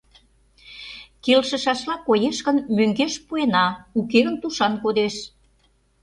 Келшышашла коеш гын, мӧҥгеш пуэна, уке гын, тушан кодеш.